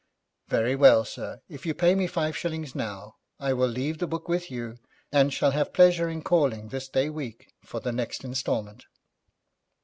'Very well, sir, if you pay me five shillings now, I will leave the book with you, and shall have pleasure in calling this day week for the next instalment.'